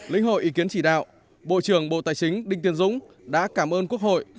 lĩnh hội ý kiến chỉ đạo bộ trưởng bộ tài chính đinh tiên dũng đã cảm ơn quốc hội